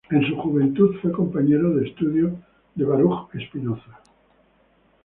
En su juventud fue compañero de estudios de Baruch Spinoza.